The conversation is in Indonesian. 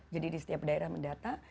jadi di setiap daerah mendata